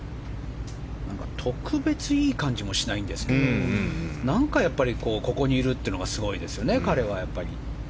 特別いい感じもしないんですけど何か、ここにいるというのがすごいですね、彼は。